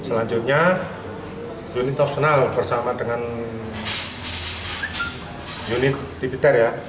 selanjutnya unit operasional bersama dengan unit tipiter ya